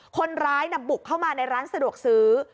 คนร้ายบุกเข้ามาในร้านสะดวกซื้อ